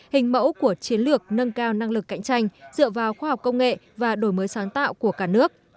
hình mẫu của chiến lược nâng cao năng lực cạnh tranh dựa vào khoa học công nghệ và đổi mới sáng tạo của cả nước